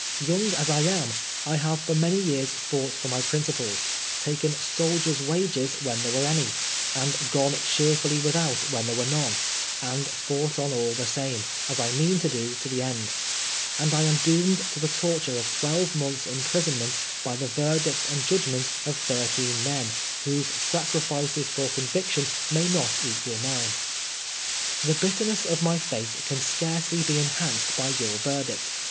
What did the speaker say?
Youi^ as I am, I have for many years fought for my principles, taken soldier's wages when there were any, and gone cheerfully without when there were none, and fought on aU the same, as I mean to do to the end ; and I am doomed to the torture of twelve months' imprisonment by the verdict and judgment of thirteen men, whose sacrifices for conviction may not equal mine. The bitterness of my fate can scarcely be enhanced by your verdict.